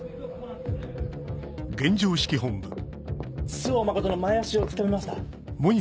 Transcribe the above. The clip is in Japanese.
周防誠の前足を突き止めました。